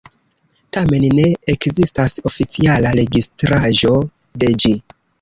Tamen ne ekzistas oficiala registraĵo de ĝi.